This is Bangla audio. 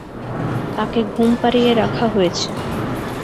তাঁকে ঘুম পাড়িয়ে রাখা হয়েছে।